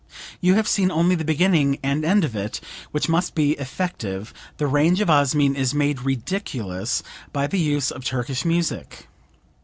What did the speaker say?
You have seen only the beginning and end of it, which must be effective; the rage of Osmin is made ridiculous by the use of Turkish music.